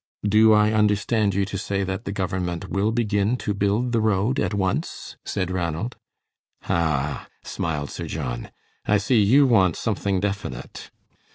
"Do I understand you to say that the government will begin to build the road at once?" said Ranald. "Ah," smiled Sir John, "I see you want something definite."